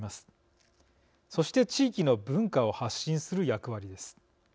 そして地域の文化を発信する役割です。